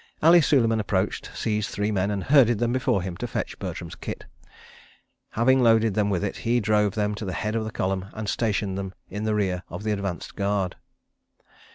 ... Ali Suleiman approached, seized three men, and herded them before him to fetch Bertram's kit. Having loaded them with it, he drove them to the head of the column and stationed them in rear of the advance guard.